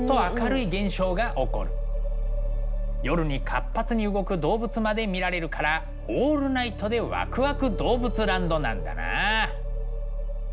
夜に活発に動く動物まで見られるからオールナイトでわくわく動物ランドなんだな。